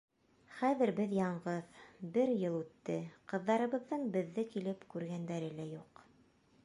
Хәҙер беҙ яңғыҙ, бер йыл үтте, ҡыҙҙарыбыҙҙың беҙҙе килеп күргәндәре лә юҡ.